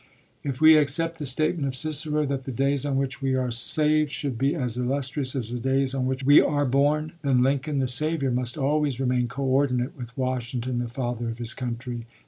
If we accept the statement of Cicero that the days on which we are saved should be as illustrious as the days on which we are born, then Lincoln the Savior must always remain coördinate with Washington, the Father of his country.